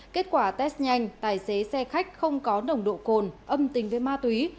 kết quả test nhanh tài xế xe khách không có nồng độ cồn âm tính với ma túy